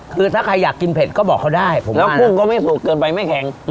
คือถ้าใครอยากกินเผ็ดก็บอกเขาได้แล้วกุ้งก็ไม่สุกเกินไปไม่แข็ง